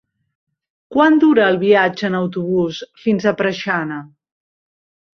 Quant dura el viatge en autobús fins a Preixana?